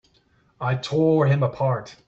I tore him apart!